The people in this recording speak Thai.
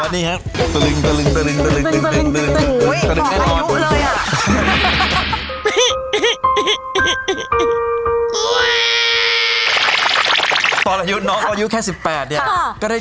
นี่เลยค่ะตะลึงกันไปเลยใช่ไหม